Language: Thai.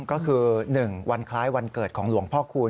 ก็คือ๑วันคล้ายวันเกิดของหลวงพ่อคูณ